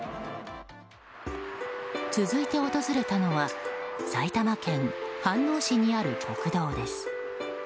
続いて、訪れたのは埼玉県飯能市にある国道です。